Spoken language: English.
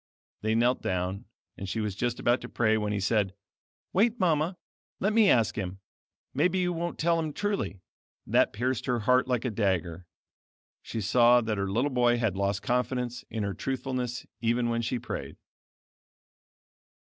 They knelt down, and she was just about to pray when he said, "Wait, Mama, let me ask Him; maybe you won't tell Him truly." That pierced her heart like a dagger. She saw that her little boy had lost confidence in her truthfulness even when she prayed.